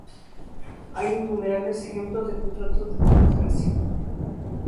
Hay innumerables ejemplos de contratos de tal clase.